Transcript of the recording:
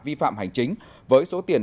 vi phạm xây dựng và xử lý nghiệp